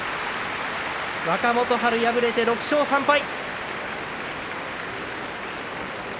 若元春、敗れて６勝３敗。